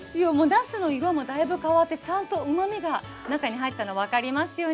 なすの色もだいぶ変わってちゃんとうまみが中に入ったの分かりますよね。